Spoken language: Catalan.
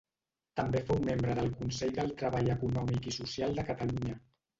També fou membre del Consell del Treball Econòmic i Social de Catalunya.